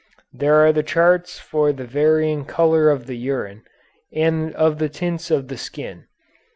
There are charts for the varying color of the urine, and of the tints of the skin.